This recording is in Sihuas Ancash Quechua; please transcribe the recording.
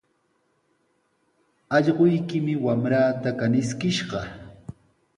Allquykimi wamraata kaniskishqa.